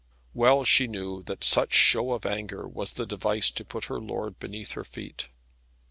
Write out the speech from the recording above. Well she knew that such show of anger was the device to put her lord beneath her feet.